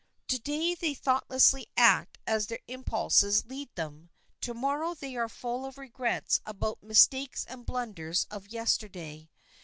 To day they thoughtlessly act as their impulses lead them; to morrow they are full of regrets about the mistakes and blunders of yesterday.